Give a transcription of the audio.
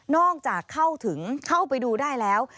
นอกจากเข้าไปดูได้แล้ว